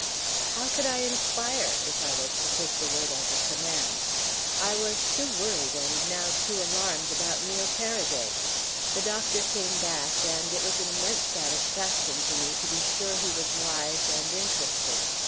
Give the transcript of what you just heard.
How could I enquire—if I was to take the word as a command? I was too worried and now too alarmed about Neil Paraday. The Doctor came back, and it was an immense satisfaction to me to be sure he was wise and interested.